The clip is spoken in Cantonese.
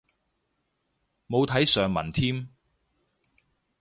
冇睇上文添